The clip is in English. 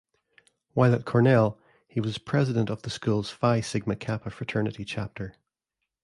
While at Cornell, he was president of the school's Phi Sigma Kappa fraternity chapter.